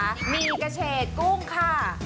หมี่กระเฉดกุ้งค่ะ